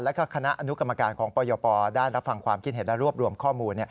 แล้วก็คณะอนุกรรมการของปยปได้รับฟังความคิดเห็นและรวบรวมข้อมูล